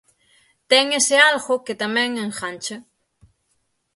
Ten ese algo que tamén engancha.